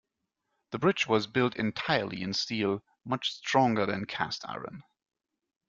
The bridge was built entirely in steel, much stronger than cast iron.